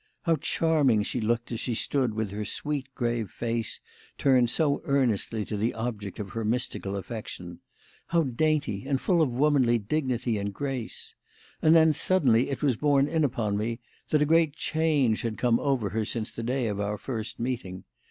How charming she looked as she stood with her sweet, grave face turned so earnestly to the object of her mystical affection! How dainty and full of womanly dignity and grace! And then, suddenly, it was borne in upon me that a great change had come over her since the day of our first meeting.